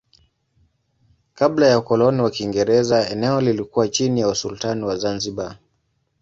Kabla ya ukoloni wa Kiingereza eneo lilikuwa chini ya usultani wa Zanzibar.